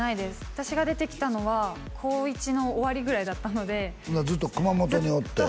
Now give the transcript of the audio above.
私が出てきたのは高１の終わりぐらいだったのでずっと熊本におって？